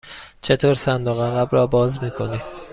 چطور صندوق عقب را باز می کنید؟